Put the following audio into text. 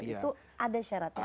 itu ada syaratnya kan